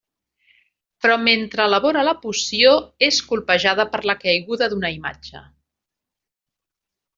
Però mentre elabora la poció, és colpejada per la caiguda d'una imatge.